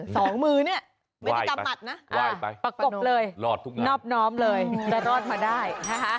สองมือเนี่ยไม่ได้กำหมัดนะประกบเลยรอดทุกนอบน้อมเลยจะรอดมาได้นะคะ